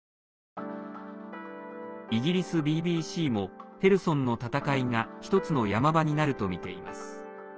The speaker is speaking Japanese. イギリスＢＢＣもヘルソンの戦いが一つの山場になるとみています。